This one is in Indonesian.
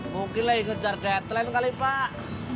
mungkin lah dia kejar deadline kali pak